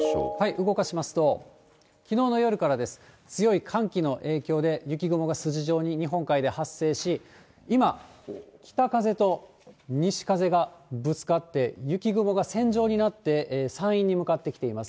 動かしますと、強い寒気の影響で、雪雲が筋状に日本海で発生し、今、北風と西風がぶつかって、雪雲が線状になって山陰に向かってきています。